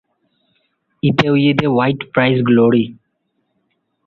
তিনি "what price glory?"